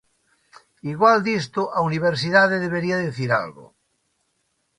Igual disto a universidade debería dicir algo.